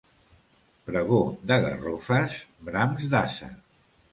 Pregó de garrofes, brams d'ase.